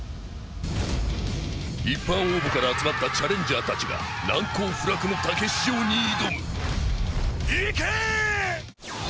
一般応募から集まったチャレンジャーたちが難攻不落のたけし行け！